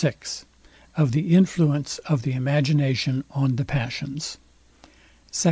VI OF THE INFLUENCE OF THE IMAGINATION ON THE PASSIONS SECT.